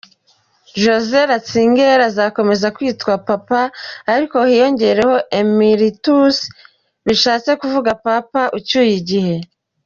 Joseph Ratzinger azakomeza kwitwa Papa ariko hiyongereho “ Emeritus”, bishatse kuvuga “Papa ucyuye igihe”.